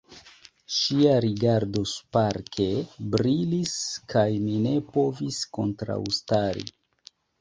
Ŝia rigardo sparke brilis kaj mi ne povis kontraŭstari.